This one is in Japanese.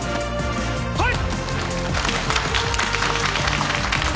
はい！